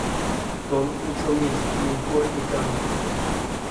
Тон учомизь, минь кортнетяно.